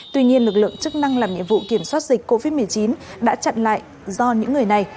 tuy nhiên lực lượng chức năng làm nhiệm vụ kiểm soát dịch covid một mươi chín đã chặn lại do những người này